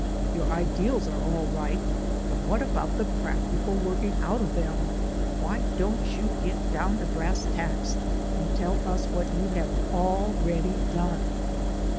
Your ideals are all right, but what about the practical working out of them? Why don't you 'get down to brass tacks' and tell us what you have already done?'